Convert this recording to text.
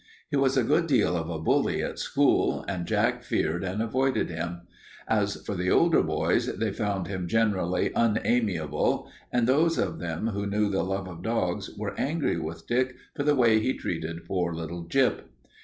He was a good deal of a bully at school, and Jack feared and avoided him. As for the older boys, they found him generally unamiable and those of them who knew the love of dogs were angry with Dick for the way he treated poor little Gyp.